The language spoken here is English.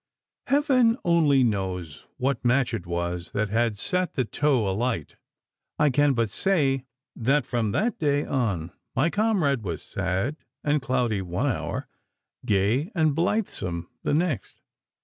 Heaven only knows what match it was that had set the tow alight. I can but say that from that day on my comrade was sad and cloudy one hour, gay and blithesome the next.